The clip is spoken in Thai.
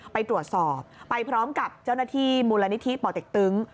ไปตรวจสอบไปพร้อมกับเจ้าหน้าที่มูลนิธิป่อเต็กตึง